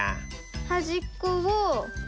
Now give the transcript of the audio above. はじっこをおる。